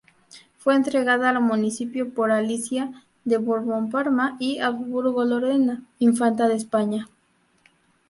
Fue entregada al municipio por Alicia de Borbon-Parma y Habsburgo-Lorena, infanta de España.